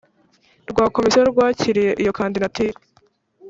rwa Komisiyo rwakiriye iyo kandidatire